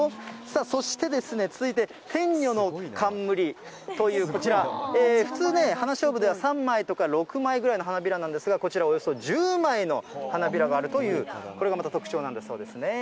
そしてですね、続いて、天女の冠というこちら、普通ね、花しょうぶでは３枚とか６枚ぐらいの花びらなんですが、こちらおよそ１０枚の花びらがあるという、これがまた特徴なんだそうですね。